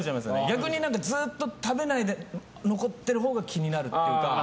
逆に、ずっと食べないで残ってるほうが気になるっていうか。